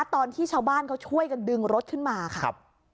ตอนที่ชาวบ้านเขาช่วยกันดึงรถขึ้นมาค่ะ